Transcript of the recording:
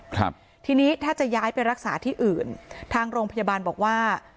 ครับทีนี้ถ้าจะย้ายไปรักษาที่อื่นทางโรงพยาบาลบอกว่า